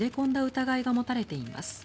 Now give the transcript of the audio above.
疑いが持たれています。